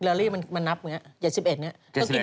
แคโลลีมันนับเหมือนกันเหนือ๗๑อะ